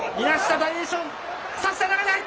大栄翔。